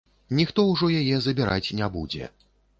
Ніхто ўжо яе забіраць не будзе.